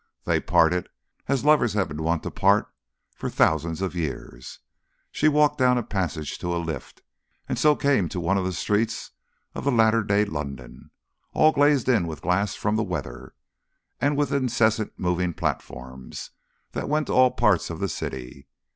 They parted as lovers have been wont to part for thousands of years. She walked down a passage to a lift, and so came to one of the streets of that latter day London, all glazed in with glass from the weather, and with incessant moving platforms that went to all parts of the city.